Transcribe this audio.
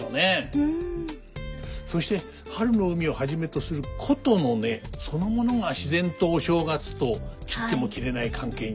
そして「春の海」をはじめとする箏の音そのものが自然とお正月と切っても切れない関係になったのかもしれませんね。